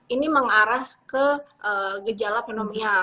ini mengarah ke gejala pneumonia